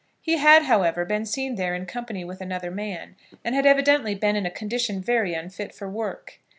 He had, however, been seen there in company with another man, and had evidently been in a condition very unfit for work.